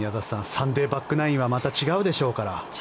サンデーバックナインはまた違うでしょうから。